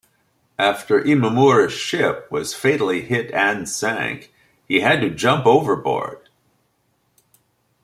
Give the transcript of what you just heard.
After Imamura's ship was fatally hit and sank, he had to jump overboard.